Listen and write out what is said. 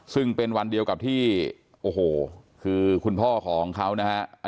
ซึ่งเป็นวันเดียวกับที่คุณพ่อของเขานะฮะ